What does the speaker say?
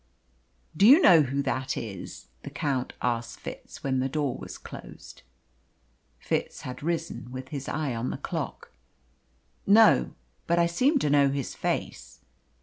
"Do you know who that is?" the Count asked Fitz when the door was closed. Fitz had risen, with his eye on the clock. "No. But I seem to know his face."